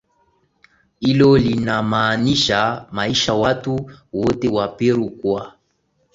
hilo linamaanisha maisha watu wote wa Peru kwa